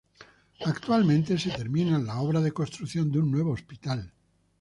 Actualmente se terminan las obras de construcción de un nuevo hospital.